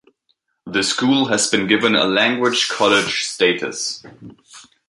The school has been given a Language College status.